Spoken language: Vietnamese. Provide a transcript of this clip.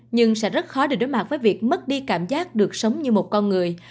nhưng sẽ rất khó để đối mặt với việc mất đi cảm giác được sống như một con người